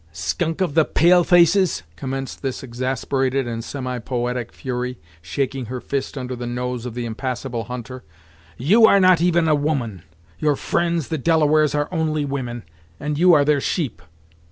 "Skunk of the pale faces," commenced this exasperated and semi poetic fury, shaking her fist under the nose of the impassable hunter, "you are not even a woman. Your friends the Delawares are only women, and you are their sheep.